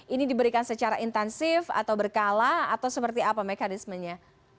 ini diberikan secara intensif atau berkala atau seperti apa mekanismenya